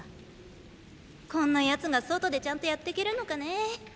こんな奴が外でちゃんとやってけるのかねぇ？